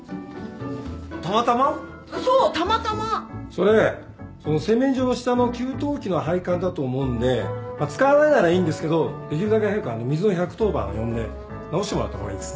それその洗面所の下の給湯器の配管だと思うんで使わないならいいんですけどできるだけ早く水の１１０番呼んで直してもらった方がいいですね。